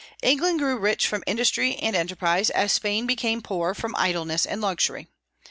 England grew rich from industry and enterprise, as Spain became poor from idleness and luxury.